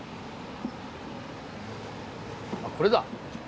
あこれだ。